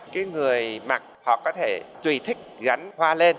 cái người mặc họ có thể tùy thích gắn hoa lên